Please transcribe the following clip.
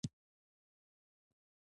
موږ باید باداران اوسو.